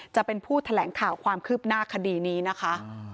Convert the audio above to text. จะเป็นผู้แถลงข่าวความคืบหน้าคดีนี้นะคะ